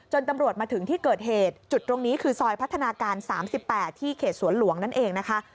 ตำรวจมาถึงที่เกิดเหตุจุดตรงนี้คือซอยพัฒนาการ๓๘ที่เขตสวนหลวงนั่นเองนะคะ